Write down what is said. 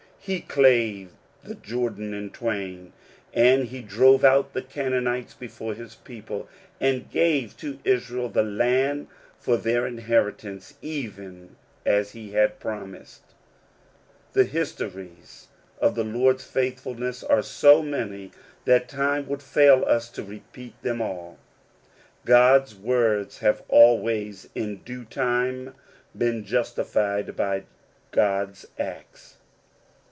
He clave the Jordan in twain, and he drove out the Canaanites before his people, and gave to Israel the land for their inheritance, even as he had promised. The histories of the Lord's faith fulness are so many, that time would fail us to repeat them all. God's words have always in due time been justified by God's acts.